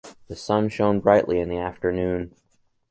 The sun shone brightly in the afternoon.